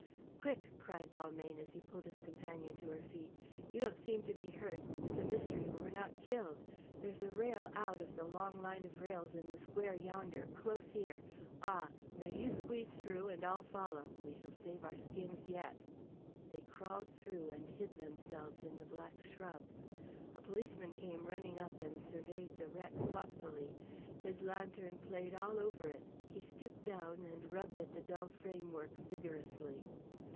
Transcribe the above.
"Quick," cried Balmayne, as he pulled his companion to her feet. "You don't seem to be hurt, It's a mystery we were not killed. There's a rail out of the long line of rails in the square yonder, close here. Ah! Now you squeeze through and I'll follow. We shall save our skins yet." They crawled through and hid themselves in the black shrubs. A policeman came running up and surveyed the wreck thoughtfully. His lantern played all over it, he stooped down and rubbed at the dull frame work vigorously.